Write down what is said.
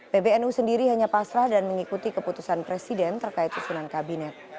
pbnu sendiri hanya pasrah dan mengikuti keputusan presiden terkait susunan kabinet